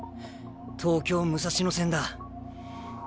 東京武蔵野戦だ。